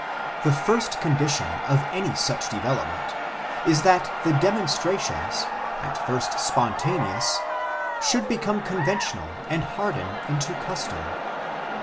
The first condition of any such development," he main tains, " is that the demonstrations, at first spontaneous, should become conventional and harden into custom.